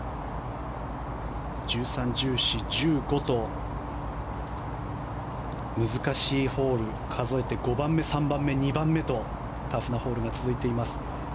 １３、１４、１５と難しいホール数えて５番目、３番目、２番目とタフなホールが続いています。